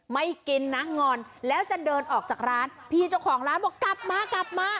ไม่กินนะงอนแล้วจะเดินออกจากร้านพี่เจ้าของร้านบอกกลับมากลับมา